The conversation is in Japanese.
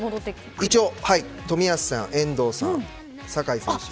一応、冨安さん、遠藤さん酒井選手。